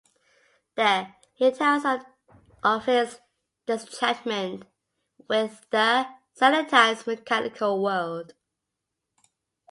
There, he tells her of his disenchantment with the sanitised, mechanical world.